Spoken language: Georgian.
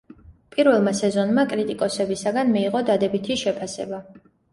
პირველმა სეზონმა კრიტიკოსებისაგან მიიღო დადებითი შეფასება.